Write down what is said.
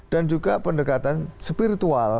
dan juga pendekatan spiritual